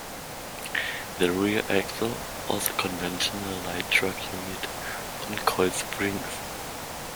The rear axle was a conventional light truck unit on coil springs.